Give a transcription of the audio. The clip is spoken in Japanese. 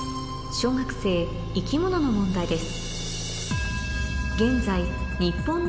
小学生生き物の問題です